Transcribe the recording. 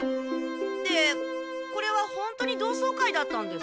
でこれはほんとに同窓会だったんですか？